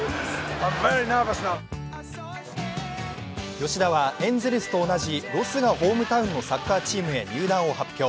吉田はエンゼルスと同じロスがホームタウンのサッカーチームへ入団を発表。